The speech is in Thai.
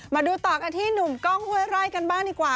มาดูต่อกันที่หนุ่มกล้องห้วยไร่กันบ้างดีกว่า